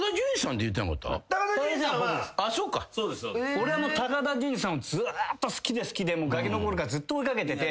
俺はもう高田純次さんをずっと好きで好きでがきの頃からずっと追いかけてて。